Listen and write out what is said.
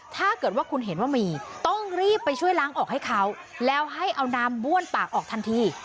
ถ้าเกิดว่าคุณเห็นว่ามีต้องรีบไปช่วยล้างออกให้เขาแล้วให้เอาน้ำบ้วนปากออกทันที